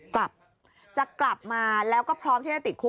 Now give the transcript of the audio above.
กลับจะกลับมาแล้วก็พร้อมที่จะติดคุก